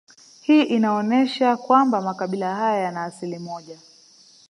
Hii inaonesha kwamba makabila haya yana asili moja